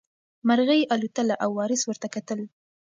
مرغۍ الوتله او وارث ورته کتل.